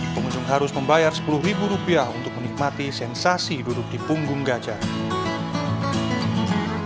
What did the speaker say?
pengunjung harus membayar sepuluh ribu rupiah untuk menikmati sensasi duduk di punggung gajah